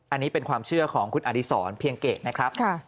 อันนี้เป็นความเชื่อของคุณอดีศรเพียงเกตนะครับ